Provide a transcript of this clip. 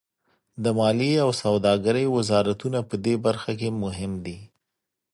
د مالیې او سوداګرۍ وزارتونه پدې برخه کې مهم دي